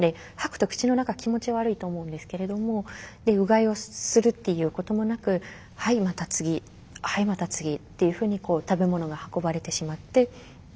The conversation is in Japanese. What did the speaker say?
吐くと口の中気持ち悪いと思うんですけれどもうがいをするっていうこともなくはいまた次はいまた次っていうふうに食べ物が運ばれてしまって。